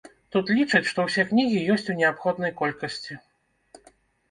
Тут лічаць, што ўсе кнігі ёсць у неабходнай колькасці.